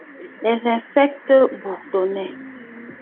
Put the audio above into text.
Les insectes bourdonnaient.